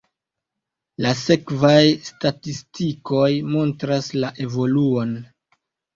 La sekvaj statistikoj montras la evoluon.